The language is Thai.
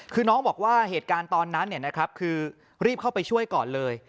คือน้องบอกว่าเหตุการณ์ตอนนั้นคือรีบเข้าไปช่วยก่อนเลย